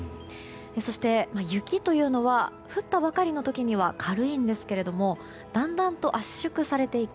そして、雪というのは降ったばかりの時は軽いんですがだんだんと圧縮されていき